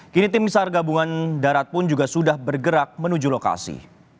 kini tim sar gabungan darat pun juga sudah bergerak menuju lokasi